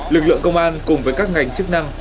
lực lượng công an cùng với các ngành chức năng